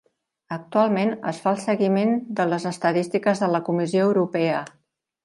Actualment es fa el seguiment de les estadístiques de la Comissió Europea.